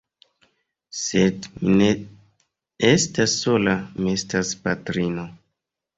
Sed mi ne estas sola, mi estas patrino!